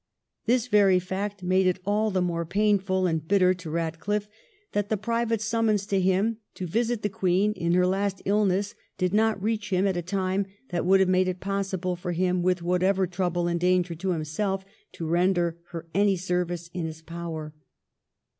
This very fact made it all the more painful and bitter to EadcUffe that the private summons to him to visit the Queen in her last illness did not reach him at a time that would have made it possible for him, with whatever trouble and danger to himself, to render her any service in his power.